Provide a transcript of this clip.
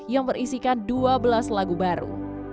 yang berisikan dua belas lagu baru